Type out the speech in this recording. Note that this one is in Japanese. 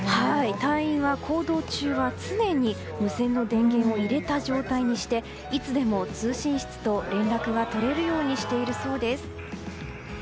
隊員は行動中は常に無線の電源を入れた状態にしていつでも通信室と連絡が取れるようにしているそうです。